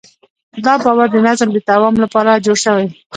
دا باور د نظم د دوام لپاره جوړ شوی.